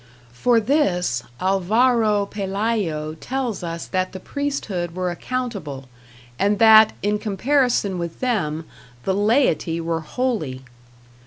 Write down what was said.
For this Alvaro Pelayo tells us that the priesthood were accountable, and that, in comparison with them, the laity were holy.